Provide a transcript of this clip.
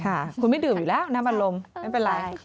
ค่ะคุณไม่ดื่มอยู่แล้วน้ำอารมณ์ไม่เป็นไร